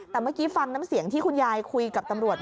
แต่เมื่อกี้ฟังน้ำเสียงที่คุณยายคุยกับตำรวจ